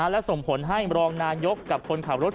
และส่งผลให้รองนายกกับคนขับรถ